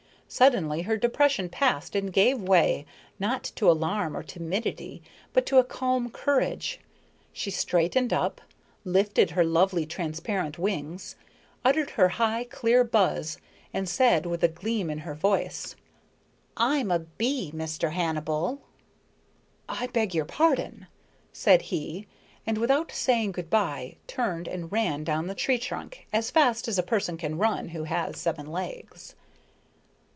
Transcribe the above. Suddenly her depression passed and gave way, not to alarm or timidity, but to a calm courage. She straightened up, lifted her lovely, transparent wings, uttered her high clear buzz, and said with a gleam in her eyes: "I am a bee, Mr. Hannibal." "I beg your pardon," said he, and without saying good by turned and ran down the tree trunk as fast as a person can run who has seven legs.